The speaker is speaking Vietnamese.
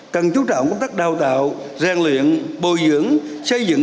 cần chú trọng công tác đào tạo ràng luyện bồi dưỡng xây dựng